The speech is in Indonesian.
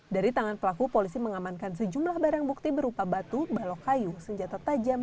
dari tangan pelaku polisi mengamankan sejumlah barang bukti berupa batu balok kayu senjata tajam